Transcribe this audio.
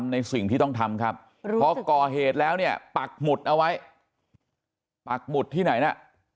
ในสิ่งที่ต้องทำครับพอก่อเหตุแล้วเนี่ยปักหมุดเอาไว้ปักหมุดที่ไหนนะ